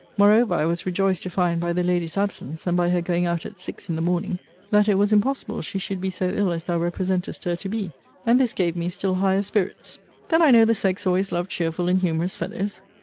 Moreover I was rejoiced to find, by the lady's absence, and by her going out at six in the morning, that it was impossible she should be so ill as thou representest her to be; and this gave me still higher spirits. Then I know the sex always love cheerful and humourous fellows.